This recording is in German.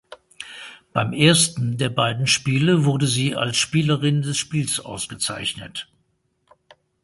Beim ersten der beiden Spiele wurde sie als Spielerin des Spiels ausgezeichnet.